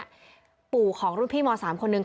ปู่ของรุ่นพี่ม๓คนหนึ่ง